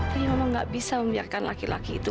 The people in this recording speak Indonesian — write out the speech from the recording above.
tapi mama nggak bisa membiarkan laki laki itu